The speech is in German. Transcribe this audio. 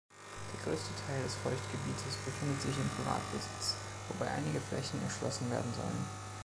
Der größte Teil des Feuchtgebietes befindet sich in Privatbesitz, wobei einige Flächen erschlossen werden sollen.